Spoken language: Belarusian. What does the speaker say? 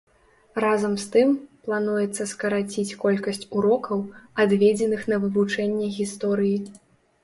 Разам з тым, плануецца скараціць колькасць урокаў, адведзеных на вывучэнне гісторыі.